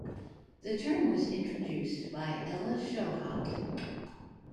The term was introduced by Ella Shohat.